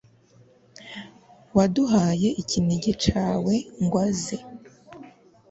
waduhaye ikinege cawe, ngw'aze